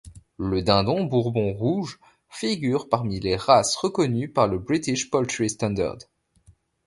Le dindon Bourbon rouge figure parmi les races reconnues par le British Poultry Standard.